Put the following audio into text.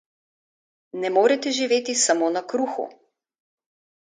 Ne morete živeti samo na kruhu.